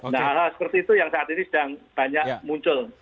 nah seperti itu yang saat ini sedang banyak muncul